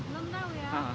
belum tahu ya